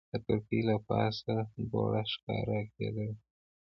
د کړکۍ له پاسه دوړه ښکاره کېده.